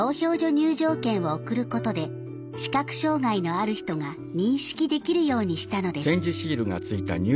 入場券を送ることで視覚障害のある人が認識できるようにしたのです。